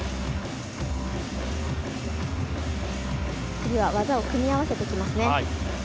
次は技を組み合わせてきますね。